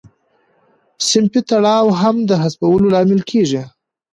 صنفي تړاو هم د حذفولو لامل کیږي.